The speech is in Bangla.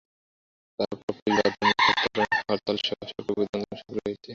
তার পরও পুলিশি বাধার মুখেও তাঁরা হরতালসহ সরকারবিরোধী আন্দোলনে সক্রিয় রয়েছেন।